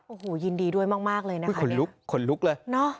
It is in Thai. โอ้โหยินดีด้วยมากเลยนะคะขนลุกขนลุกเลยเนอะ